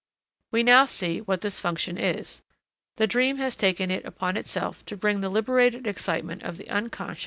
We now see what this function is. The dream has taken it upon itself to bring the liberated excitement of the Unc.